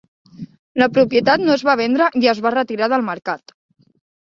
La propietat no es va vendre i es va retirar del mercat.